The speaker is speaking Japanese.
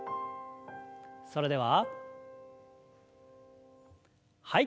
それでははい。